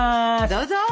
どうぞ。